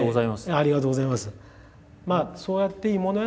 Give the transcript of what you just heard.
ありがとうございます。